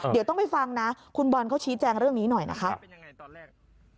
เดี๋ยวต้องไปฟังนะคุณบอลเขาชี้แจงเรื่องนี้หน่อยนะครับ